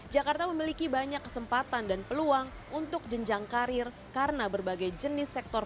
jakarta memiliki banyak kesempatan dan peluang untuk jenjang karir karena berbagai jenis sektor